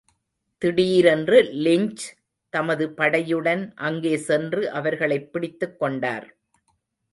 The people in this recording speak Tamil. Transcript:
திடீரென்று லிஞ்ச் தமது படையுடன் அங்கே சென்று அவர்களைப் பிடித்துக் கொண்டார்.